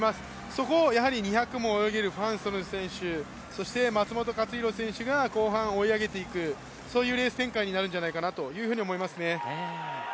そこをやはり２００も泳げるファン・ソヌ選手、松元克央選手が後半追い上げていくレース展開になるんじゃないかなと思いますね。